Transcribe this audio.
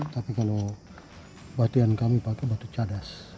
tapi kalau batu yang kami pakai batu cadas